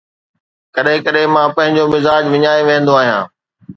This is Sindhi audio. ڪڏهن ڪڏهن مان پنهنجو مزاج وڃائي ويهندو آهيان